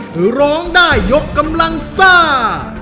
คือร้องได้ยกกำลังซ่า